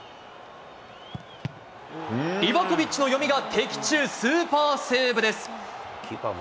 リバコビッチの読みが的中、スーパーセーブです。